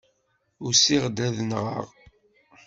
Usiɣ-d ad t-nɣeɣ.